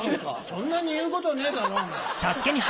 そんなに言うことねえだろお前。